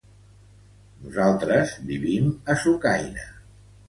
Nosaltres vivim a Sucaina.